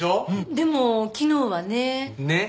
でも昨日はねっ。